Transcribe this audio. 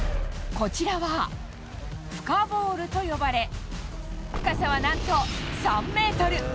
こちらは、深ボウルと呼ばれ、深さはなんと３メートル。